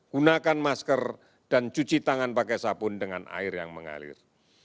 gunakan masker dan cuci tangan pakai sabun dengan air yang mengalir